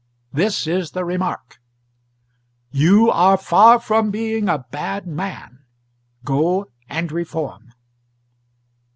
This is the remark 'YOU ARE FAR FROM BEING A BAD MAN: GO, AND REFORM.'